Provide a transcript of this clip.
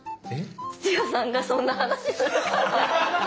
土屋さんがそんな話するから。